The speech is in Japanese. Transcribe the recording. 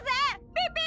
ピピ！